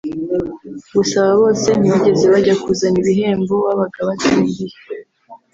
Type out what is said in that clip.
Gusa aba bose ntibigeze bajya kuzana ibi bihembo babaga batsindiye